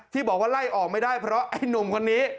ที่บอกว่าไล่ออกไม่ได้เพราะไอ้หนุ่มคนนี้